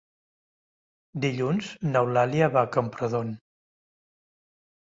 Dilluns n'Eulàlia va a Camprodon.